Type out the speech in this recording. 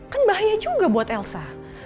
kan bahaya juga buat elsa